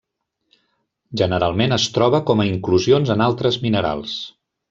Generalment es troba com a inclusions en altres minerals.